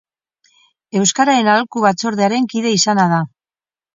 Euskararen Aholku Batzordearen kide izana da.